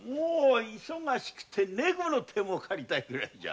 忙しくて猫の手も借りたいぐらいじゃ。